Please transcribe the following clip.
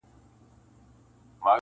ما پرون د ګل تصویر جوړ کړ ته نه وې-